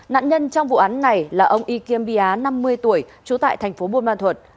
nạn nhân trong vụ án này là ông y kim biá năm mươi tuổi trú tại thành phố bôn ma thuật